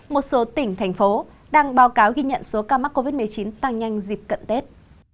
một số tỉnh thành phố đang báo cáo ghi nhận số ca mắc covid một mươi chín tăng nhanh dịp cận tết